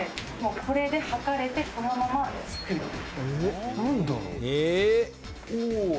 これで、はかれてこのまま作る。